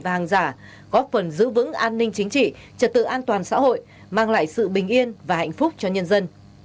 và hàng giả góp phần giữ vững an ninh chính trị trật tự an toàn xã hội mang lại sự bình yên và hạnh phúc cho nhân dân